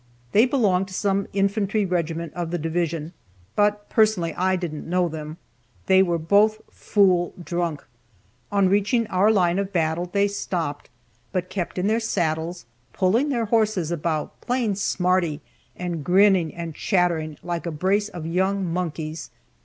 They belonged to some infantry regiment of the division, but personally I didn't know them. They were both fool drunk. On reaching our line of battle they stopped, but kept in their saddles, pulling their horses about, playing "smarty," and grinning and chattering like a brace of young monkeys.